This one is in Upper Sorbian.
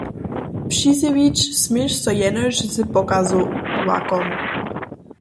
Přizjewić směš so jenož z pokazowakom.